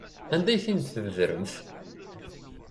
Anda ay ten-id-tbedremt?